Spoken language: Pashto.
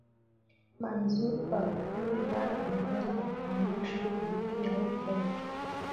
منظور پښتون لر او بر افغانان شعوري يو کړل.